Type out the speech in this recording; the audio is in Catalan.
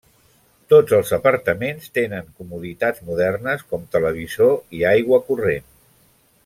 Tots els apartaments tenen comoditats modernes com televisor i aigua corrent.